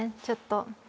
ちょっと。